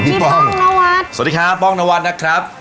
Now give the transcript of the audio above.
ป้องพี่นวัดสวัสดีครับป้องนวัดนะครับ